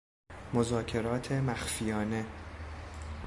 مذاکرات مخفیانه